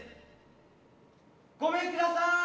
ごめんください。